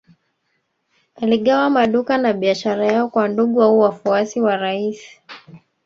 Aligawa maduka na biashara yao kwa ndugu au wafuasi wa rais